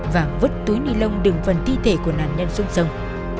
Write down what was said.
và vứt túi nilon đựng phần thi thể của nạn nhân xuống sông